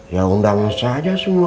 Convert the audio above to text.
ya undang saja semua